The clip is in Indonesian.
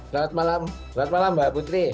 selamat malam mbak putri